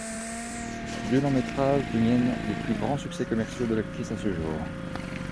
Ces deux longs-métrages deviennent les plus grands succès commerciaux de l'actrice à ce jour.